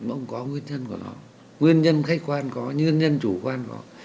ông có nguyên nhân của nó nguyên nhân khách quan có nguyên nhân chủ quan có